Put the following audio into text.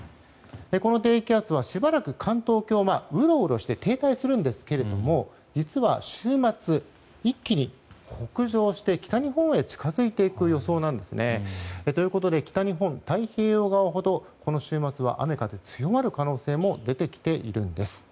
この低気圧はしばらく関東沖をうろうろして停滞するんですけど実は週末一気に北上して北日本へ近づいていく予想なんですね。ということで北日本、太平洋側ほどこの週末は雨風強まる可能性も出てきているんです。